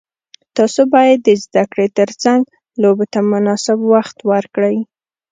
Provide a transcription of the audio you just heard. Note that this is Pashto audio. تاسو باید د زده کړې ترڅنګ لوبو ته مناسب وخت ورکړئ.